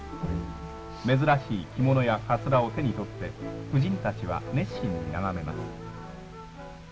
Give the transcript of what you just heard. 珍しい着物やかつらを手に取って、婦人たちは熱心に眺めます。